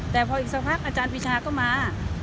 แต่พออีกสักพักอาจารย์ปีชาก็มา